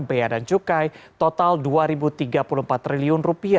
bea dan cukai total rp dua tiga puluh empat triliun